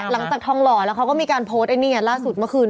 นั่นแหละหลังจากทองหล่อแล้วเค้าก็มีการโพสต์ไอ้เนี่ยล่าสุดเมื่อคืน